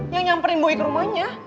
yang nyamperin bui ke rumahnya